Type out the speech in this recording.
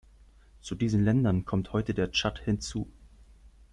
Zu diesen Ländern kommt heute der Tschad hinzu.